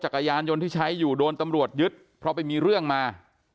จักรยานยนต์ที่ใช้อยู่โดนตำรวจยึดเพราะไปมีเรื่องมา